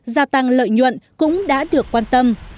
gia tăng lợi nhuận cũng đã được quan tâm